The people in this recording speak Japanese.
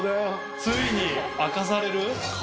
ついに明かされる？